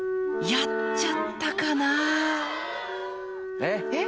やっちゃったかなえ？